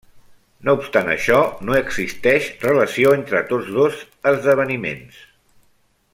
No obstant això, no existeix relació entre tots dos esdeveniments.